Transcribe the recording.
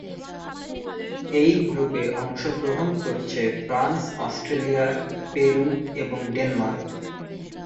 এই গ্রুপে অংশগ্রহণ করছে ফ্রান্স, অস্ট্রেলিয়া, পেরু এবং ডেনমার্ক।